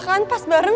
kalo punya udah urusan